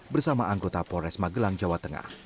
bersama anggota polres magelang jawa tengah